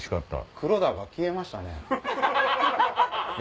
黒田が消えましたね。